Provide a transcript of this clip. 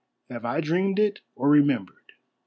Have I dreamed it or remembered?